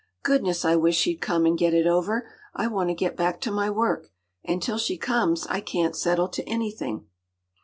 “Goodness, I wish she’d come and get it over. I want to get back to my work—and till she comes, I can’t settle to anything.